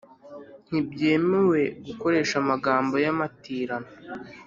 ntibyemewe gukoresha amagambo yamatirano